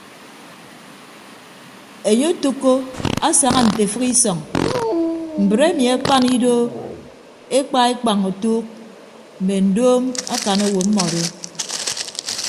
Enye otәkko asaña nte efịk isọñ mbre emi akpan ido ekpa ekpañ otuuk mme ndoom akan owo mmọdo.